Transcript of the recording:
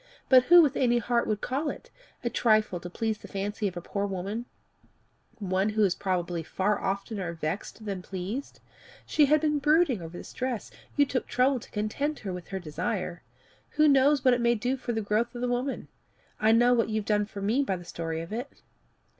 "But who with any heart would call it a trifle to please the fancy of a poor woman, one who is probably far oftener vexed than pleased? She had been brooding over this dress you took trouble to content her with her desire. Who knows what it may do for the growth of the woman? I know what you've done for me by the story of it."